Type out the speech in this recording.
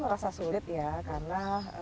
merasa sulit ya karena